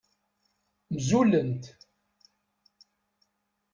Mzulent.